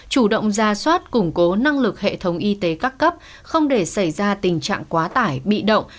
chủ động ra soát củng cố năng lực hệ thống y tế các cấp không để xảy ra tình trạng quá tải bị động